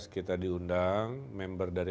kita diundang member dari